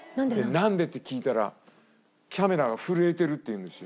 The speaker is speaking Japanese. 「なんで？」って聞いたらキャメラが震えてるっていうんですよ。